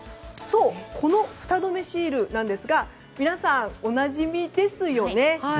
このフタ止めシールなんですが皆さん、おなじみですよね。